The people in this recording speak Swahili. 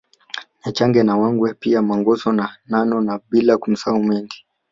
Nyanchage na Wangwe pia Mongoso na Nano na bila kumsahau Mendi